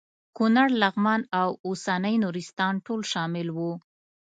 کونړ لغمان او اوسنی نورستان ټول شامل وو.